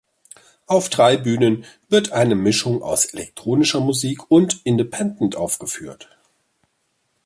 Auf drei Bühnen wird eine Mischung aus elektronischer Musik und Independent aufgeführt.